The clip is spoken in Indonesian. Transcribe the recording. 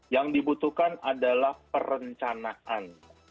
yang dibutuhkan adalah perencanaan